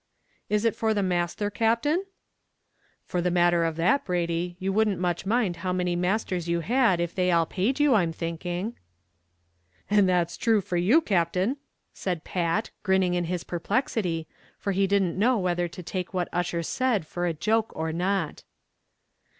"Is it for the masthur, Captain?" "For the matter of that, Brady, you wouldn't much mind how many masters you had if they all paid you, I'm thinking." "And that's thrue for you, Captain," said Pat, grinning in his perplexity, for he didn't know whether to take what Ussher said for a joke or not.